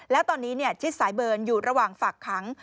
แล้วตอนนี้ชิดสายเบิร์นอยู่ระหว่างฝากขัง